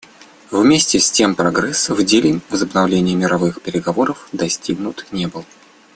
Вместе с тем прогресс в деле возобновления мирных переговоров достигнут не был.